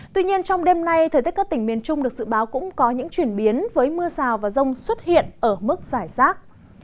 tuy nhiên trong đêm nay thời tiết các tỉnh miền trung được dự báo cũng có những chuyển biến với mưa rào và rông xuất hiện ở mức giải rác